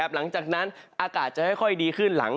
หลังจากนั้นอากาศจะซ่อนซ่อนให้ค่อยดีขึ้น